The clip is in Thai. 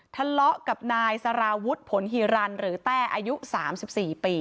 ทะเลาะกับนายสารวุฒิผลฮีรันหรือแต้อายุ๓๔ปี